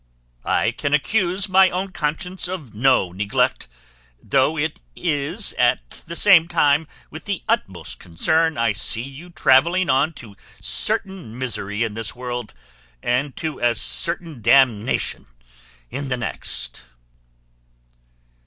_ I can accuse my own conscience of no neglect; though it is at the same time with the utmost concern I see you travelling on to certain misery in this world, and to as certain damnation in the next."